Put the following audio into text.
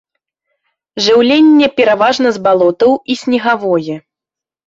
Жыўленне пераважна з балотаў і снегавое.